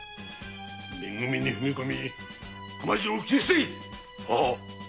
「め組」に踏み込み熊次郎を斬り捨てい！